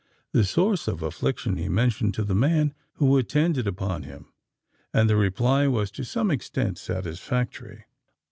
This source of affliction he mentioned to the man who attended upon him; and the reply was to some extent satisfactory.